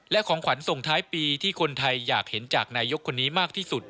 และของขวัญส่งท้ายปีที่คนไทยอยากเห็นจากนายกคนนี้มากที่สุด